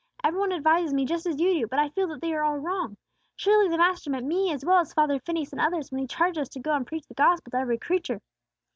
"Every one advises me just as you do; but I feel that they are all wrong. Surely the Master meant me as well as father Phineas and the others, when He charged us to go and preach the gospel to every creature."